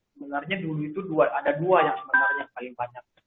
sebenarnya ada dua yang paling banyak